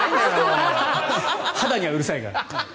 肌にはうるさいから。